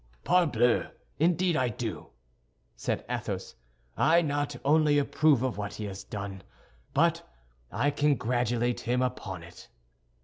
"Parbleu! Indeed I do," said Athos; "I not only approve of what he has done, but I congratulate him upon it."